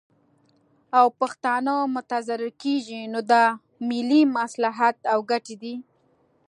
او پښتانه متضرر کیږي، نو دا ملي مصلحت او ګټې دي